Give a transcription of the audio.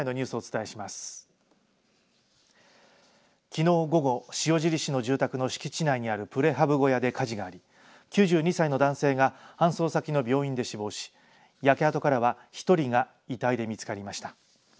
きのう午後、塩尻市の住宅の敷地内にあるプレハブ小屋で火事があり９２歳の男性が搬送先の病院で死亡し焼け跡からは１人が遺体で見つかりました。